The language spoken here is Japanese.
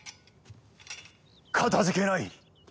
かたじけない。